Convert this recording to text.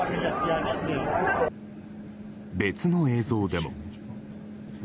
別の映像でも。